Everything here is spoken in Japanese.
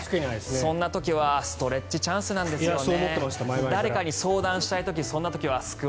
そんな時はストレッチチャンスなんですよね。